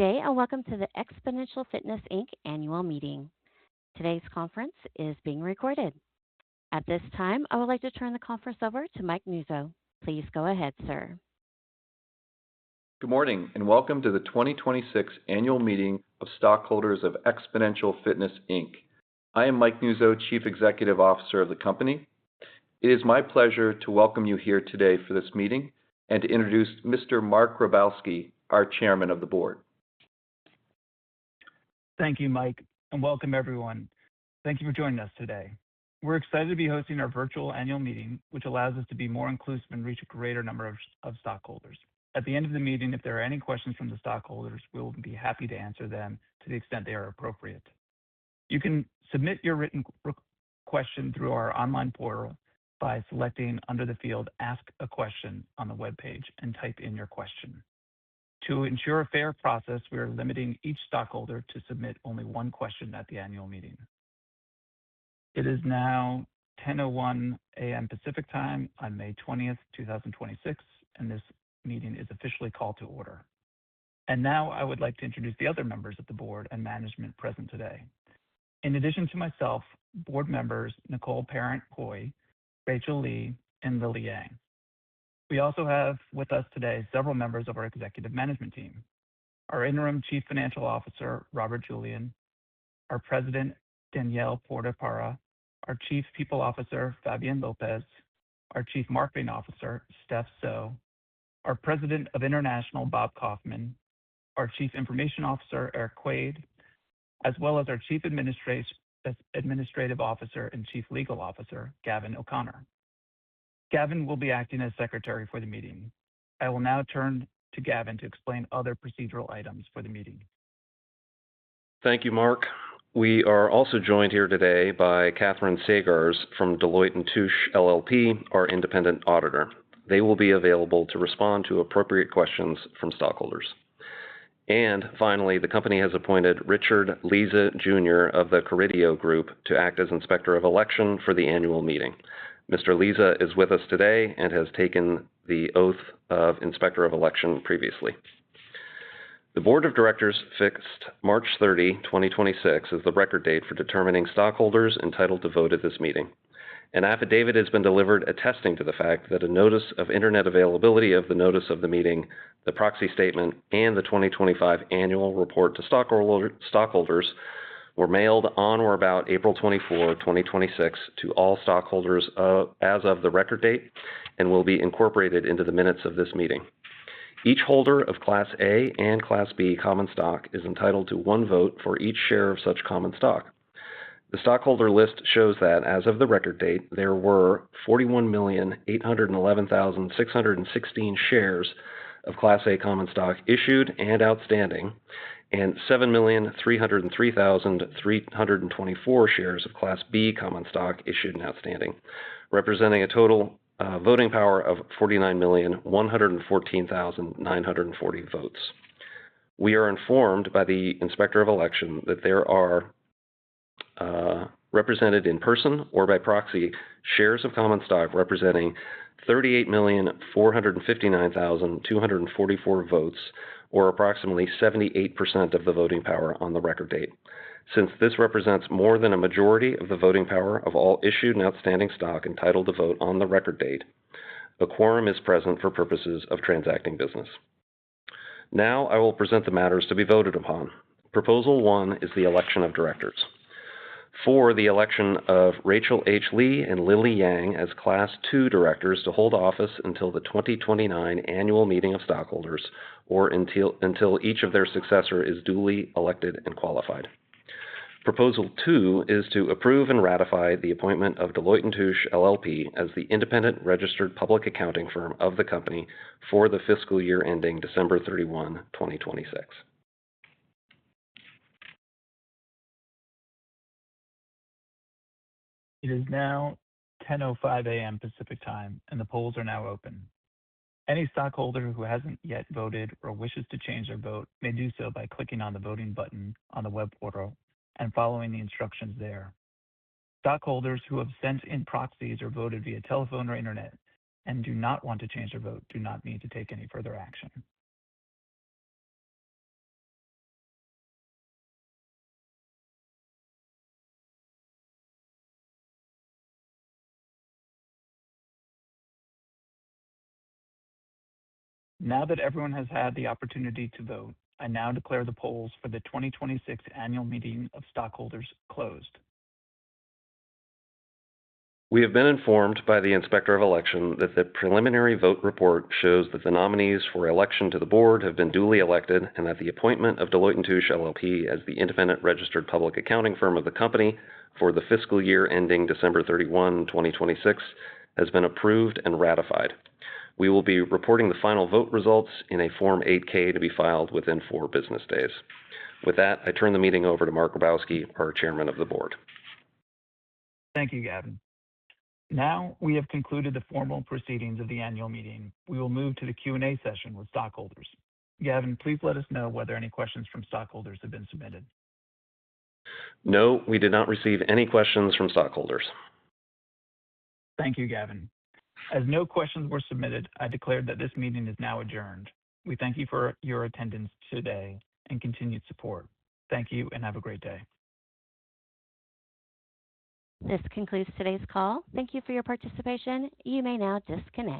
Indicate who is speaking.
Speaker 1: Today, welcome to the Xponential Fitness, Inc. annual meeting. Today's conference is being recorded. At this time, I would like to turn the conference over to Mike Nuzzo. Please go ahead, sir.
Speaker 2: Good morning, welcome to the 2026 annual meeting of stockholders of Xponential Fitness, Inc. I am Mike Nuzzo, Chief Executive Officer of the company. It is my pleasure to welcome you here today for this meeting and to introduce Mr. Mark Grabowski, our Chairman of the Board.
Speaker 3: Thank you, Mike, welcome everyone. Thank you for joining us today. We're excited to be hosting our virtual annual meeting, which allows us to be more inclusive and reach a greater number of stockholders. At the end of the meeting, if there are any questions from the stockholders, we will be happy to answer them to the extent they are appropriate. You can submit your written question through our online portal by selecting under the field, Ask a Question, on the webpage and type in your question. To ensure a fair process, we are limiting each stockholder to submit only one question at the annual meeting. It is now 10:01 A.M. Pacific Time on May 20th, 2026, and this meeting is officially called to order. Now I would like to introduce the other members of the board and management present today. In addition to myself, board members Nicole Parent Haughey, Rachel H. Lee, and Lily Yang. We also have with us today several members of our executive management team, our Interim Chief Financial Officer, Robert Julian, our President, Danielle Porto Parra, our Chief People Officer, Fabienne Lopez, our Chief Marketing Officer, Steph So, our President of International, Bob Kaufman, our Chief Information Officer, Erik Quade, as well as our Chief Administrative Officer and Chief Legal Officer, Gavin O'Connor. Gavin will be acting as Secretary for the meeting. I will now turn to Gavin to explain other procedural items for the meeting.
Speaker 4: Thank you, Mark. We are also joined here today by Kathryn Seghers from Deloitte & Touche LLP, our independent auditor. They will be available to respond to appropriate questions from stockholders. Finally, the company has appointed Richard Lizza Jr. of The Carideo Group to act as Inspector of Election for the annual meeting. Mr. Lizza is with us today and has taken the oath of Inspector of Election previously. The Board of Directors fixed March 30, 2026, as the record date for determining stockholders entitled to vote at this meeting. An affidavit has been delivered attesting to the fact that a notice of internet availability of the notice of the meeting, the proxy statement, and the 2025 annual report to stockholders were mailed on or about April 24, 2026, to all stockholders as of the record date and will be incorporated into the minutes of this meeting. Each holder of Class A and Class B common stock is entitled to one vote for each share of such common stock. The stockholder list shows that as of the record date, there were 41,811,616 shares of Class A common stock issued and outstanding, and 7,303,324 shares of Class B common stock issued and outstanding, representing a total voting power of 49,114,940 votes. We are informed by the Inspector of Election that there are represented in person or by proxy shares of common stock representing 38,459,244 votes, or approximately 78% of the voting power on the record date. Since this represents more than a majority of the voting power of all issued and outstanding stock entitled to vote on the record date, a quorum is present for purposes of transacting business. Now I will present the matters to be voted upon. Proposal 1 is the election of directors. For the election of Rachel H. Lee and Lily Yang as Class 2 directors to hold office until the 2029 annual meeting of stockholders, or until each of their successor is duly elected and qualified. Proposal 2 is to approve and ratify the appointment of Deloitte & Touche LLP as the independent registered public accounting firm of the company for the fiscal year ending December 31, 2026.
Speaker 3: It is now 10:05 A.M. Pacific Time and the polls are now open. Any stockholder who hasn't yet voted or wishes to change their vote may do so by clicking on the voting button on the web portal and following the instructions there. Stockholders who have sent in proxies or voted via telephone or internet and do not want to change their vote do not need to take any further action. Now that everyone has had the opportunity to vote, I now declare the polls for the 2026 annual meeting of stockholders closed.
Speaker 4: We have been informed by the Inspector of Election that the preliminary vote report shows that the nominees for election to the board have been duly elected, and that the appointment of Deloitte & Touche LLP as the independent registered public accounting firm of the company for the fiscal year ending December 31, 2026, has been approved and ratified. We will be reporting the final vote results in a Form 8-K to be filed within four business days. With that, I turn the meeting over to Mark Grabowski, our Chairman of the Board.
Speaker 3: Thank you, Gavin. We have concluded the formal proceedings of the annual meeting. We will move to the Q&A session with stockholders. Gavin, please let us know whether any questions from stockholders have been submitted.
Speaker 4: No, we did not receive any questions from stockholders.
Speaker 3: Thank you, Gavin. As no questions were submitted, I declare that this meeting is now adjourned. We thank you for your attendance today and continued support. Thank you and have a great day.
Speaker 1: This concludes today's call. Thank you for your participation. You may now disconnect.